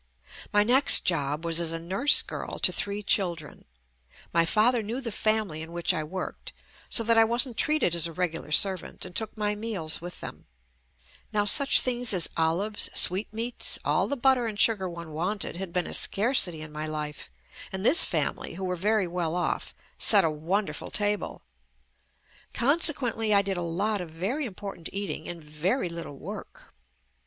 My next job was as a nurse girl to three children. My father knew the family in which I worked, so that I wasn't treated as a regular servant and took my meals with them. Now such things as olives, sweetmeats, all the butter and sugar one wanted had been a scarcity in my life, and this family, who were very well JUST ME off, set a wonderful table. Consequently, I did a lot of very important eating and very lit tle work.